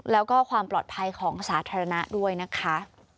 แล้วก็ความปลอดภัยของสาธารณะด้วยนะคะ